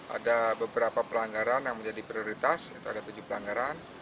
ada beberapa pelanggaran yang menjadi prioritas itu ada tujuh pelanggaran